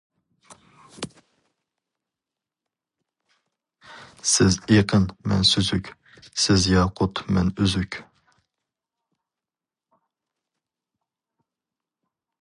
سىز ئېقىن، مەن سۈزۈك، سىز ياقۇت، مەن ئۈزۈك.